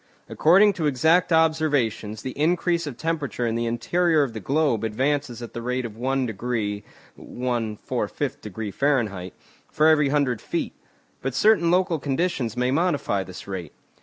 According to exact observations, the increase of temperature in the interior of the globe advances at the rate of one degree (1 4/5° Fahr.) for every hundred feet. But certain local conditions may modify this rate.